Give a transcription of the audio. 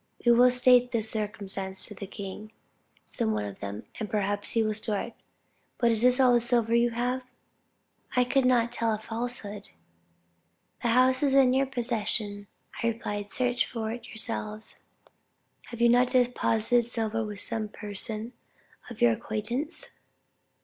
"We will state this circumstance to the king," said one of them, "and perhaps he will restore it. But is this all the silver you have?" I could not tell a falsehood. The house is in your possession, I replied, search for yourselves. "Have you not deposited silver with some person of your acquaintance?"